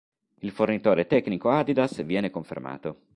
Il fornitore tecnico Adidas viene confermato.